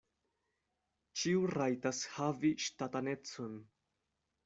Ĉiu rajtas havi ŝtatanecon.